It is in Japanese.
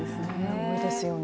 多いですよね。